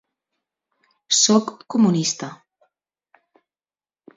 Sóc comunista.